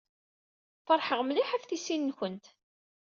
Feṛḥeɣ mliḥ ɣef tisin-nkent.